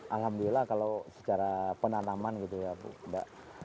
alhamdulillah kalau secara penanaman gitu ya mbak